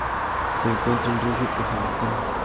Se encuentra en Rusia y Kazajistán.